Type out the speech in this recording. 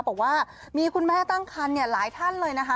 บอกว่ามีคุณแม่ตั้งคันหลายท่านเลยนะคะ